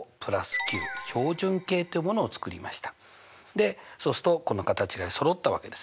でそうするとこの形がそろったわけですね。